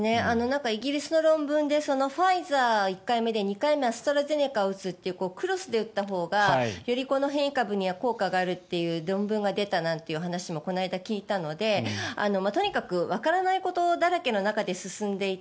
イギリスの論文でファイザーが１回目で２回目はアストラゼネカを打つというクロスで打ったほうがより変異株には効果があるという論文が出たなんていう話もこの間、聞いたのでとにかくわからないことだらけの中で進んでいる。